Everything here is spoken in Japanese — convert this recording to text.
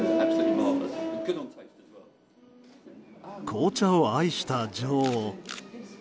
紅茶を愛した女王。